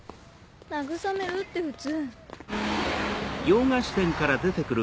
慰めるって普通。